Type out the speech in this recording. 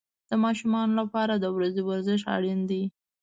د ماشومانو لپاره د ورځې ورزش اړین دی.